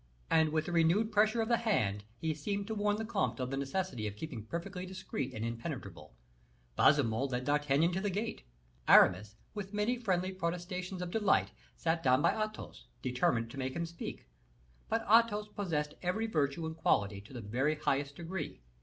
And with a renewed pressure of the hand, he seemed to warn the comte of the necessity of keeping perfectly discreet and impenetrable. Baisemeaux led D'Artagnan to the gate. Aramis, with many friendly protestations of delight, sat down by Athos, determined to make him speak; but Athos possessed every virtue and quality to the very highest degree.